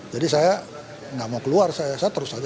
jadi saya gak mau keluar saya terus aja